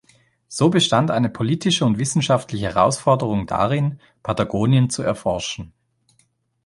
So bestand eine politische und wissenschaftliche Herausforderung darin, Patagonien zu erforschen.